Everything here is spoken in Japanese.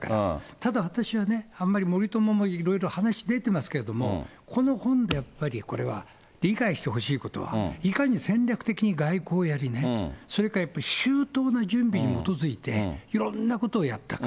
ただ、私はね、あんまり森友もいろいろ話出てますけれども、この本でやっぱり、これは理解してほしいことは、いかに戦略的に外交をやりね、それからやっぱり、周到な準備に基づいて、いろんなことをやったか。